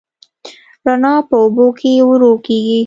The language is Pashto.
رڼا په اوبو کې ورو کېږي.